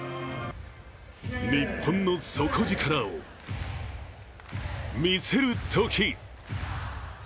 日本の底力を見せるとき！